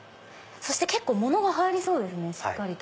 結構物が入りそうですねしっかりと。